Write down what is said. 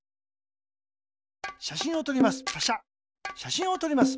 しゃしんをとります。